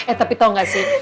eh tapi tau gak sih